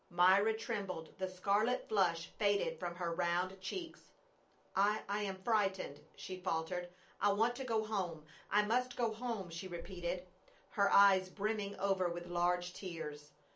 Myra trembled, the scarlet flush faded from her round cheeks. "I — I am frightened," she faltered. " I want to go home. I must go home," she repeated, her eyes brimming over with large tears.